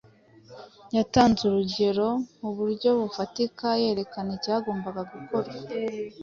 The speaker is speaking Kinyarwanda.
Yatanze urugero mu buryo bufatika yerekana icyagombaga Gukorwa